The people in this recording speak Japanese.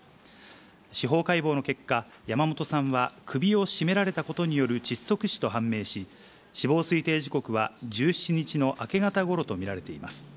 司法解剖の結果、山本さんは首を絞められたことによる窒息死と判明し、死亡推定時刻は１７日の明け方ごろと見られています。